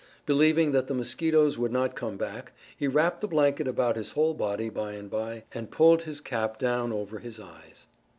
Believing that the mosquitoes would not come back, he wrapped the blanket about his whole body by and by, and pulled his cap down over his eyes.